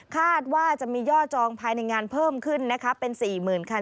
คาดว่าจะมียอดจองภายในงานเพิ่มขึ้นเป็น๔๐๐๐คัน